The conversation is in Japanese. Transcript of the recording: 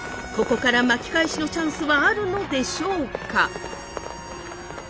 ここから巻き返しのチャンスはあるのでしょうか？